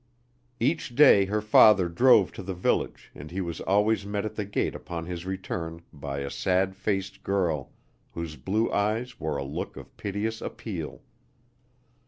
Each day her father drove to the village and he was always met at the gate upon his return by a sad faced girl whose blue eyes wore a look of piteous appeal.